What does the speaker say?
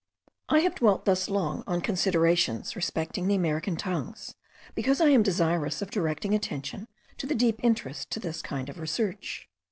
I have dwelt thus long on considerations respecting the American tongues, because I am desirous of directing attention to the deep interest attached to this kind of research.